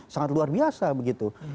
sangat luar biasa begitu